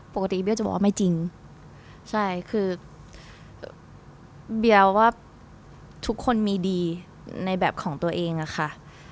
ปกติเบี้ยจะบอกว่าไม่จริงใช่คือเบียร์ว่าทุกคนมีดีในแบบของตัวเองอะค่ะ